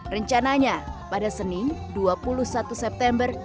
rencananya pada senin dua puluh satu september